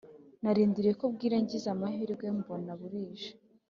narindiriye ko bwira ngize amahirwe mbona burije